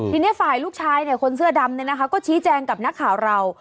ทีนี้ฝ่ายลูกชายเนี่ยคนเสื้อดำเนี่ยนะคะก็ชี้แจงกับนักข่าวเรา